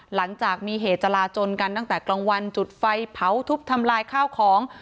หลังจากมีเหตุจราจนกันตั้งแต่กลางวันจุดไฟเผาทุบทำลายข้าวของ